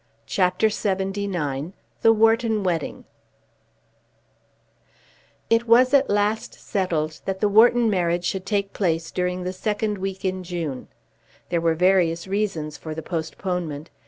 CHAPTER LXXIX The Wharton Wedding It was at last settled that the Wharton marriage should take place during the second week in June. There were various reasons for the postponement.